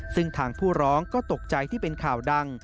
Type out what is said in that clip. ซึ่งทางผู้ร้องก็ตกใจที่เป็นข่าวดัง